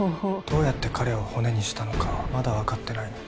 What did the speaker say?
どうやって彼を骨にしたのかまだわかってないの？